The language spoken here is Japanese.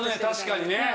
確かにね。